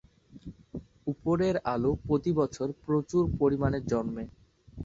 উপরের আলু প্রতি বছর প্রচুর পরিমানে জন্মে।